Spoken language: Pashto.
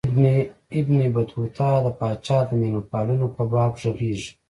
ابن بطوطه د پاچا د مېلمه پالنو په باب ږغیږي.